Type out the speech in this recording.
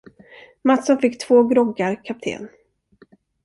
Mattsson fick två groggar, kapten!